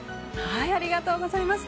ありがとうございます。